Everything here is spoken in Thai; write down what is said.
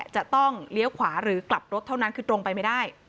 จะต้องเลี้ยวขวาหรือกลับรถเท่านั้นคือตรงไปไม่ได้